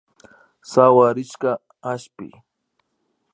Sawarishka aspi